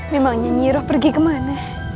memangnya nyiroh pergi kemana